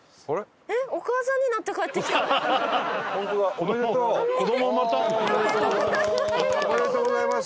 おめでとうございます。